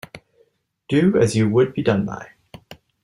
Do as you would be done by.